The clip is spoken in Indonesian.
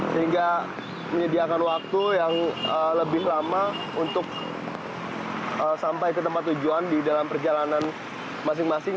sehingga menyediakan waktu yang lebih lama untuk sampai ke tempat tujuan di dalam perjalanan masing masing